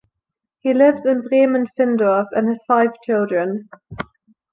He lives in Bremen-Findorff and has five children.